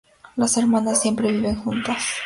Las hermanas siempre viven juntas.